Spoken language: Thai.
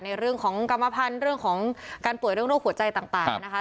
ในเรื่องของกรรมพันธุ์เรื่องของการป่วยเรื่องโรคหัวใจต่างนะคะ